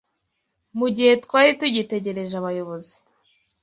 Mu gihe twari tugitegereje abayobozi